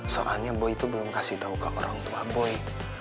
soalnya boy itu belum kasih tahu ke orang tua boy